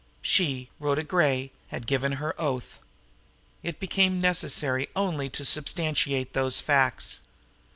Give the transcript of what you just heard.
She, Rhoda Gray, had given her oath. It became necessary only to substantiate those facts.